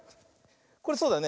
これそうだよね。